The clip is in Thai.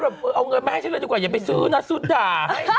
เอาเงินมาให้ฉันเลยดีกว่าอย่าไปซื้อนะซุดด่าให้